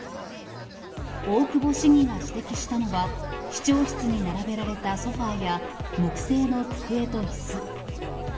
大久保市議が指摘したのは、市長室に並べられたソファや木製の机といす。